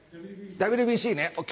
ＷＢＣねＯＫ。